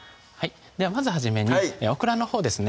まず初めにオクラのほうですね